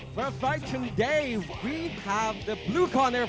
สวัสดีครับ